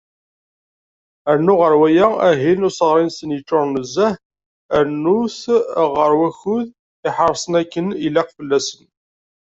Rnu ɣer waya, ahil n useɣri-nsen i yeččuren nezzeh, rnu-t ɣer wakud i iḥeṛṣen akken ilaq fell-asen.